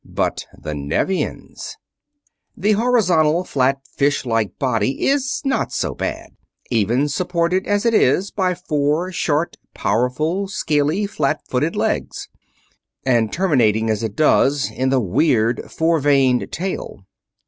But the Nevians The horizontal, flat, fish like body is not so bad, even supported as it is by four short, powerful, scaly, flat footed legs; and terminating as it does in the weird, four vaned tail.